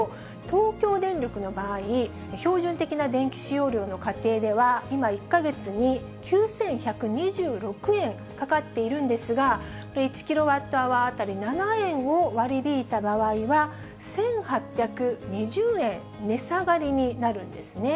東京電力の場合、標準的な電気使用量の家庭では、今１か月に９１２６円かかっているんですが、１キロワットアワー当たり７円を割り引いた場合は、１８２０円値下がりになるんですね。